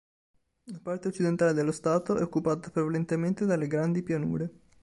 La parte occidentale dello Stato è occupata prevalentemente dalle Grandi Pianure.